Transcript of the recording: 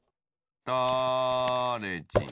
だれじん